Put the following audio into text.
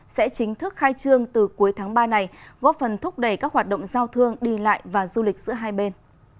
sẽ chính thức khai trương từ cuối tháng ba này góp phần thúc đẩy các hoạt động giao thương đi lại và du lịch giữa hai bên